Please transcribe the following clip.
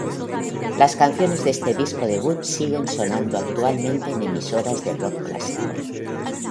Las canciones de este disco debut siguen sonando actualmente en emisoras de rock clásico.